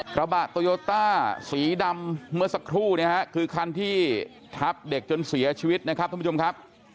กระบะโตโยต้าสีดำเมื่อสักครู่เนี่ยฮะคือคันที่ทับเด็กจนเสียชีวิตนะครับท่านผู้ชมครับ